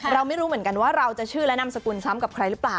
เราไม่รู้เหมือนกันว่าเราจะชื่อและนามสกุลซ้ำกับใครหรือเปล่า